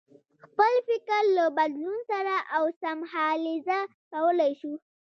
خپل فکر له بدلون سره اوسمهالیزه کولای شو.